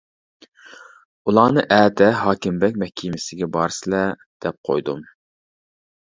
ئۇلارنى ئەتە ھاكىمبەگ مەھكىمىسىگە بارىسىلەر دەپ قويدۇم.